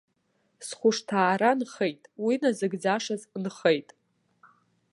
Схәышҭаара нхеит, уи назыгӡашаз нхеит.